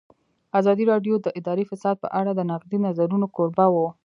ازادي راډیو د اداري فساد په اړه د نقدي نظرونو کوربه وه.